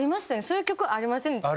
そういう曲ありませんでした？